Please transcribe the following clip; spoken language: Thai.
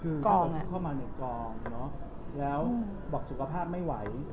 พี่ปุ๊ยเข้ามาในกล่องแล้วบอกสุขภาพไม่ไหว